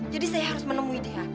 jadi saya harus menemui dia